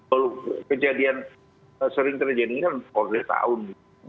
kalau kejadian sering terjadi ini kan selama empat lima tahun